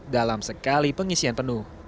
dalam sekali pengisian penuh